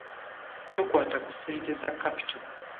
Tokwata ku ssente za kapito.